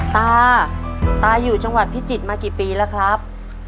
ตาตาอยู่จังหวัดพิจิตรมากี่ปีแล้วครับ